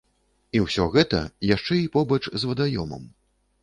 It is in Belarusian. І ўсё гэта яшчэ і побач з вадаёмам.